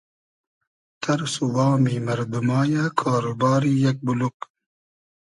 تئرس و وامی مئردوما یۂ کار و باری یئگ بولوگ